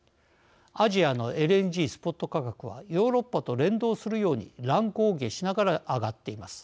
アジアのＬＮＧスポット価格はヨーロッパと連動するように乱高下しながら上がっています。